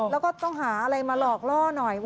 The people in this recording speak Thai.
แล้วก็ต้องหาอะไรมาหลอกล่อหน่อย